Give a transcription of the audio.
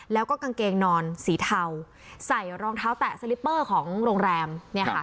แล้วก็กางเกงนอนสีเทาใส่รองเท้าแตะสลิปเปอร์ของโรงแรมเนี่ยค่ะ